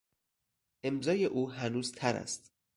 امضای او هنوز تر است.